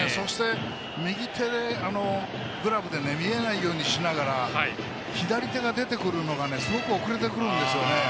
そして、右手グラブで見えないようにしながら左手が出てくるのがすごく遅れてくるんですよね。